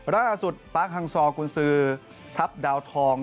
ล่าสุดปาร์คฮังซอกุญสือทัพดาวทอง